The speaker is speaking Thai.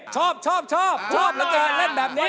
ชอบชอบชอบเหลือเกินเล่นแบบนี้